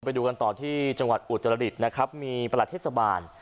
ไปดูกันต่อที่จังหวัดอุตรดิษฐ์นะครับมีประหลัดเทศบาล